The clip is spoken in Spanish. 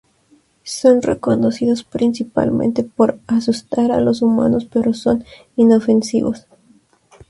Son reconocidos principalmente por asustar a los humanos, pero son inofensivos.